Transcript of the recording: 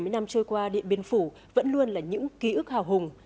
bảy mươi năm trôi qua điện biên phủ vẫn luôn là những ký ức hào hùng